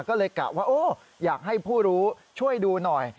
ก็เลยกะว่าโอ้อยากให้ผู้รู้ช่วยดูหน่อย